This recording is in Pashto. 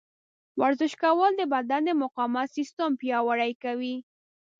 ورزش کول د بدن د مقاومت سیستم پیاوړی کوي.